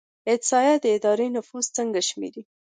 د احصایې اداره نفوس څنګه شمیري؟